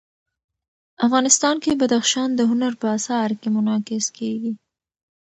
افغانستان کې بدخشان د هنر په اثار کې منعکس کېږي.